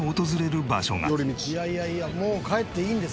「いやいやいやもう帰っていいんですよ」